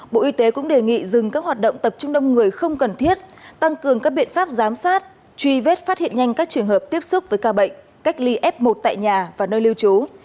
bộ y tế cũng đề nghị dừng các hoạt động tập trung đông người không cần thiết tăng cường các biện pháp giám sát truy vết phát hiện nhanh các trường hợp tiếp xúc với ca bệnh cách ly f một tại nhà và nơi lưu trú